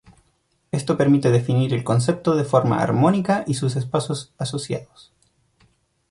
Esto permite definir el concepto de forma armónica y sus espacios asociados.